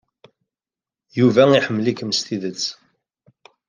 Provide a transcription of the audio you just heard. Yuba iḥemmel-ikem s tidet.